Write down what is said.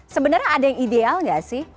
sebenarnya ada yang ideal gak sih